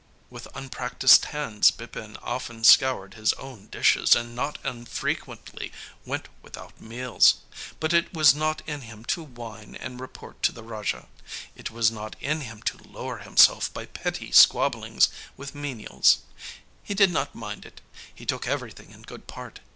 With unpractised hands Bipin often scoured his own dishes and not unfrequently went without meals. But it was not in him to whine and report to the Raja. It was not in him to lower himself by petty squabblings with menials. He did not mind it; he took everything in good part.